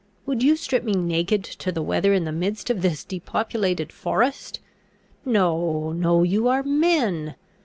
Would you strip me naked to the weather in the midst of this depopulated forest? No, no, you are men!